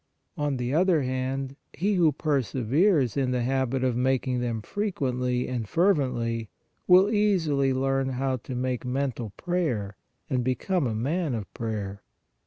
On the other hand, he who perse veres in the habit of making them frequently and fervently, will easily learn how to make mental prayer, and become a man of prayer.